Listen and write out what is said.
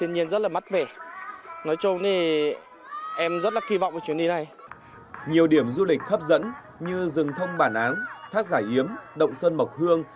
nhiều điểm du lịch hấp dẫn như rừng thông bản áng thác giải yếm động sơn mộc hương